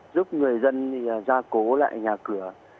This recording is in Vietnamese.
giúp người dân ra cố lại nhà cửa